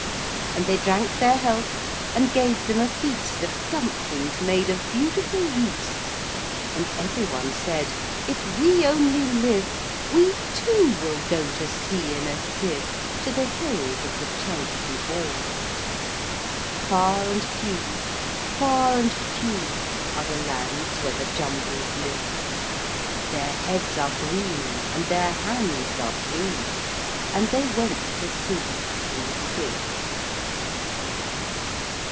And they drank their health, and gave them a feastOf dumplings made of beautiful yeast; And every one said, "If we only live, We, too, will go to sea in a sieve, To the hills of the Chankly Bore."Far and few, far and few, Are the lands where the Jumblies live:Their heads are green, and their hands are blue; And they went to sea in a sieve.